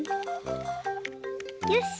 よし！